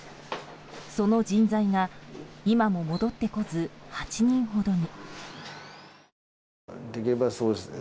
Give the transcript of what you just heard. その人材が今も戻ってこず８人ほどに。